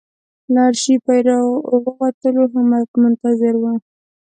له آرشیفه چې راووتلو همت منتظر و.